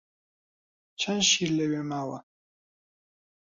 چەند شیر لەوێ ماوە؟